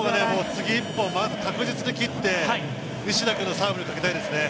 次、１本、確実に切って西田君のサーブにかけたいですね。